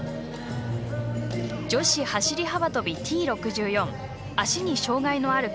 女子走り幅跳び、Ｔ６４足に障がいのあるクラス。